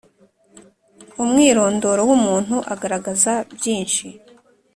Umwirondoro w ‘umuntu agaragaza byinshi.